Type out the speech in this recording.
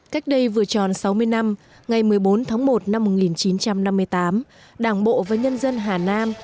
cách đây vừa tròn sáu mươi năm ngày một mươi bốn tháng một năm một nghìn chín trăm năm mươi tám đảng bộ và nhân dân hà nam